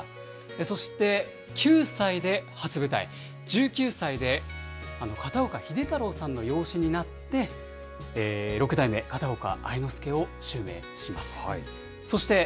そして９歳で初舞台、１９歳で片岡秀太郎さんの養子になって、六代目片岡愛之助を襲名します。